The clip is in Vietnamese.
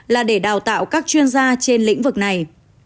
là để đào tạo các chuyên gia trên lĩnh vực này